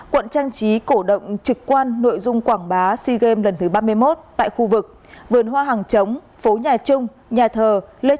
quận trang trí cổ động trực quan nội dung quảng bá sea games lần thứ ba mươi một tại khu vực vườn hoa hàng chống phố nhà trung nhà thờ lê thái tổ hàng đào và hàng ngang